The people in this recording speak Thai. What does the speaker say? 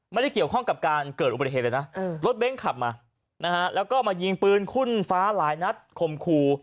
ไม่ได้เกี่ยวข้องกับการเกิดอุบัติเหตุเลยนะรถเบ้นขับมานะฮะแล้วก็มายิงปืนขึ้นฟ้าหลายนัดคมคู่